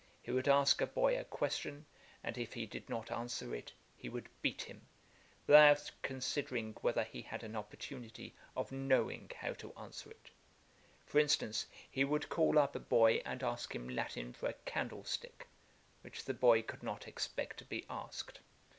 He would ask a boy a question; and if he did not answer it, he would beat him, without considering whether he had an opportunity of knowing how to answer it. For instance, he would call up a boy and ask him Latin for a candlestick, which the boy could not expect to be asked.